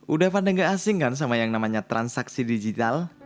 udah pandai gak asing kan sama yang namanya transaksi digital